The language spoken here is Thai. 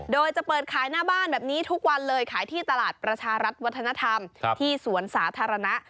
โดยจะเปิดขายหน้าบ้านแบบนี้ทุกวันเลยขายที่ตลาดประชารัฐวัฒนธรรมที่สวนสาธารณะ